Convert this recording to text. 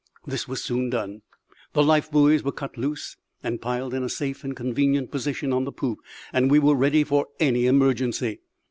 This was soon done; the life buoys were cut loose and piled in a safe and convenient position on the poop; and we were ready for any emergency.